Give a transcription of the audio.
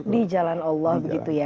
di jalan allah